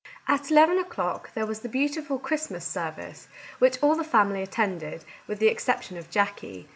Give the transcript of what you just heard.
At eleven o'clock there was the beautiful Christmas service, which all the family at tended, with the exception of Jackie.